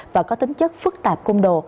và có tính chất phức tạp cung đồ